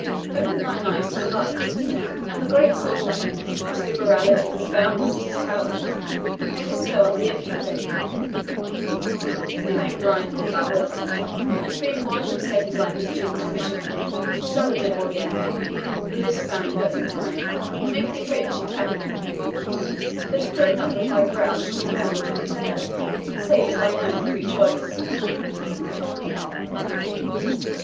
Open thine eyes to the light, and the great Soldan, whose liberality is as boundless as his power, may bestow on thee a kingdom; remain blinded if thou will, and, being one whose second life is doomed to misery, Saladin will yet, for this span of present time, make thee rich and happy. But fear not that thy brows shall be bound with the turban, save at thine own free choice."